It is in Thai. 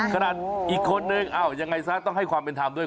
ขนาดอีกคนนึงยังไงซะต้องให้ความเป็นธรรมด้วย